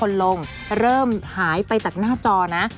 ของแต่ละคนลงเริ่มหายไปจากหน้าจอนะ